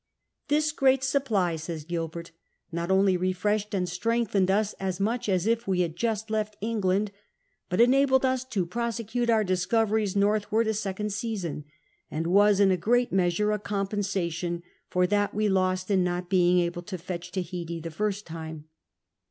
"Tin's great supply," says Gilbert, "not only refreshed and strengthened us as much as if we had just left England, but enabled us to prosecute our discoveries northward a second season, and was in a ^eat measure a compensation for that we lost in not being able to fetch Tahiti the first time."